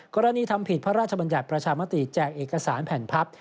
กรณีทำผิดพระราชบัญญัติประชามติแจกเอกสารแผ่นพับ